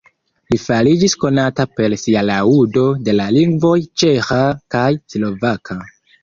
Li fariĝis konata per sia laŭdo de la lingvoj ĉeĥa kaj slovaka.